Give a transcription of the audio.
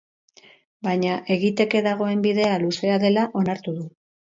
Baina egiteke dagoen bidea luzea dela onartu du.